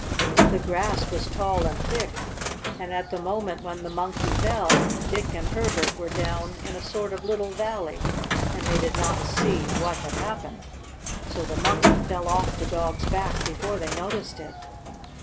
The grass was tall and thick, and at the moment when the Monkey fell Dick and Herbert were down in a sort of little valley, and they did not see what had happened. So the Monkey fell off the dog's back before they noticed it.